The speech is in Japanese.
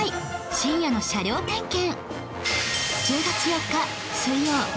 深夜の車両点検